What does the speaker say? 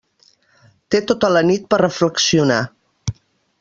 Té tota la nit per a reflexionar.